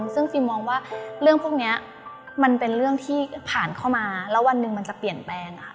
ซึ่งฟิล์มมองว่าเรื่องพวกนี้มันเป็นเรื่องที่ผ่านเข้ามาแล้ววันหนึ่งมันจะเปลี่ยนแปลง